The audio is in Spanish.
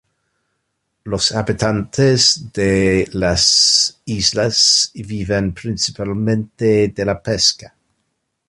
Los habitantes de las islas viven principalmente de la pesca.